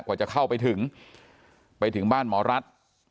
กว่าจะเข้าไปถึงไปถึงบ้านหมอรัฐ